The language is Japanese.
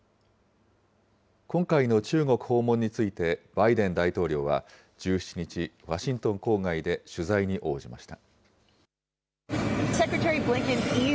今回の中国訪問について、バイデン大統領は、１７日、ワシントン郊外で取材に応じました。